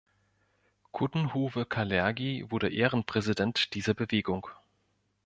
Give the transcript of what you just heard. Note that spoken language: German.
Coudenhove-Kalergi wurde Ehrenpräsident dieser Bewegung.